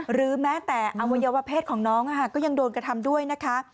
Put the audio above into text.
หรือแม้แต่อวัยวะเพศของน้องก็ยังโดนกระทำด้วยนะคะ